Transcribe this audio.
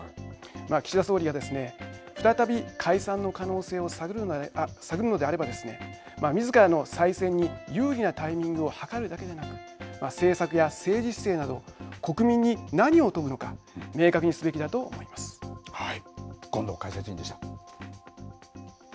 岸田総理がですね、再び解散の可能性を探るのであればですねみずからの再選に有利なタイミングを計るだけでなく政策や政治姿勢など国民に何を問うのかはい、権藤解説委員でした。